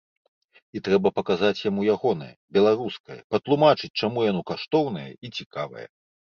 І трэба паказаць яму ягонае, беларускае, патлумачыць, чаму яно каштоўнае і цікавае.